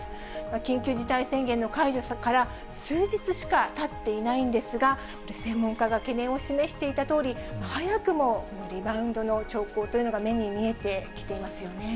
緊急事態宣言の解除から数日しかたっていないんですが、これ、専門家が懸念を示していたとおり、早くもリバウンドの兆候というのが目に見えてきていますよね。